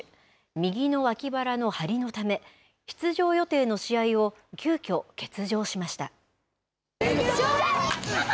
右の脇腹の張りのため、出場予定の試合を急きょ、欠場しました。